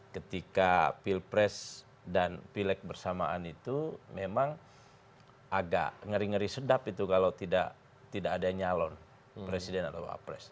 ketika pilpres dan pilek bersamaan itu memang agak ngeri ngeri sedap itu kalau tidak ada yang nyalon presiden atau wapres